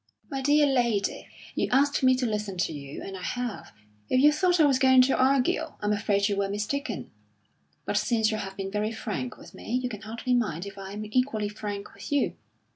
"My dear lady, you asked me to listen to you, and I have. If you thought I was going to argue, I'm afraid you were mistaken. But since you have been very frank with me, you can hardly mind if I am equally frank with you.